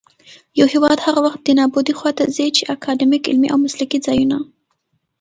يـو هـېواد هغـه وخـت دې نـابـودۍ خـواته ځـي ،چـې اکـادميـک، عـلمـي او مـسلـکي ځـايـونــه